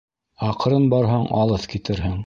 Аҡрын барһаң, алыҫ китерһең.